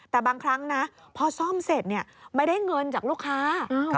แต่บางครั้งนะพอซ่อมเสร็จไม่ได้เงินจากลูกค้า